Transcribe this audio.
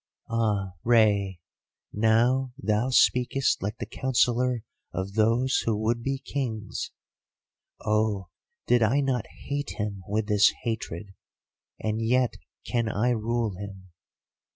"'Ah, Rei, now thou speakest like the counsellor of those who would be kings. Oh, did I not hate him with this hatred! And yet can I rule him.